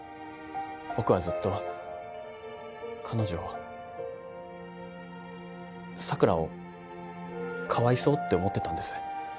僕はずっと彼女を桜をかわいそうって思ってたんです